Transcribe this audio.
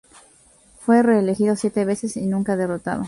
Fue reelegido siete veces, y nunca derrotado.